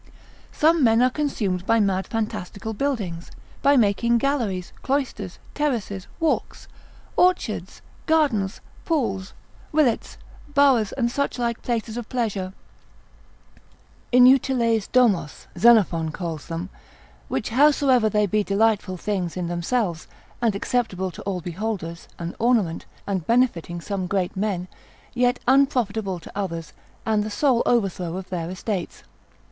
Some men are consumed by mad fantastical buildings, by making galleries, cloisters, terraces, walks, orchards, gardens, pools, rillets, bowers, and such like places of pleasure; Inutiles domos, Xenophon calls them, which howsoever they be delightsome things in themselves, and acceptable to all beholders, an ornament, and benefiting some great men: yet unprofitable to others, and the sole overthrow of their estates.